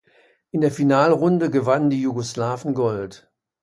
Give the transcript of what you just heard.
In der Finalrunde gewannen die Jugoslawen Gold.